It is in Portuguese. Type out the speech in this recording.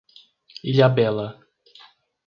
Ilhabela